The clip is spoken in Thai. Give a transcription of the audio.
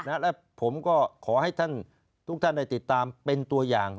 และผมก็ขอให้ท่านทุกท่านได้ติดตามเป็นตัวอย่าง